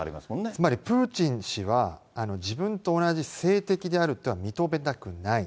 つまり、プーチン氏は、自分と同じ政敵であるというのを認めたくない。